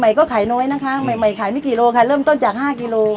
ใหม่ก็ขายน้อยใหม่ขายไม่กี่กิโลแคระเริ่มต้นจาก๕กิโล